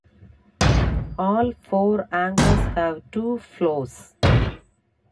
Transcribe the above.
All four anchors have two floors.